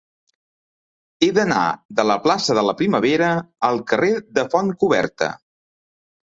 He d'anar de la plaça de la Primavera al carrer de Fontcoberta.